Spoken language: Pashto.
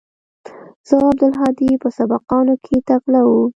زه او عبدالهادي په سبقانو کښې تکړه وو.